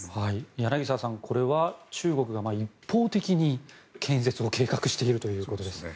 柳澤さん、これは中国が一方的に建設を計画しているということですね。